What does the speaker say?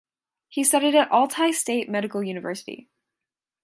He studied at Altai State Medical University.